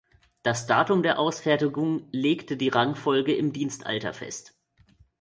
Das Datum der Ausfertigung legte die Rangfolge im Dienstalter fest.